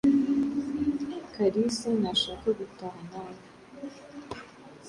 Kalisa ntashaka gutaha nawe.